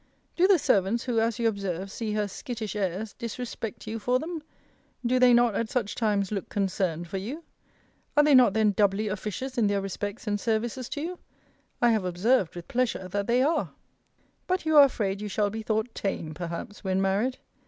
Do the servants, who, as you observe, see her skittish airs, disrespect you for them? Do they not, at such times, look concerned for you? Are they not then doubly officious in their respects and services to you? I have observed, with pleasure, that they are. But you are afraid you shall be thought tame, perhaps, when married.